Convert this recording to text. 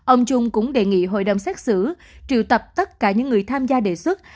ông trung cũng đề nghị hội đồng xét xử triệu tập tất cả những người tham gia đề xuất